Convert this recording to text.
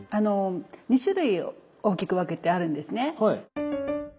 ２種類大きく分けてあるんですね。